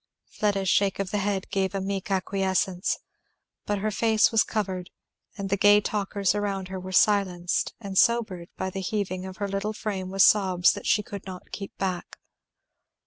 Fleda's shake of the head gave a meek acquiescence. But her face was covered, and the gay talkers around her were silenced and sobered by the heaving of her little frame with sobs that she could not keep back.